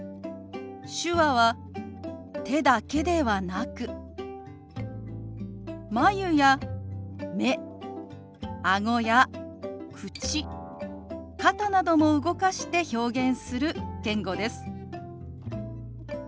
手話は手だけではなく眉や目あごや口肩なども動かして表現する言語です。